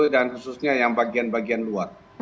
dan khususnya yang bagian bagian luar